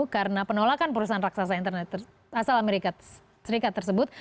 karena penolakan perusahaan raksasa internet asal amerika serikat tersebut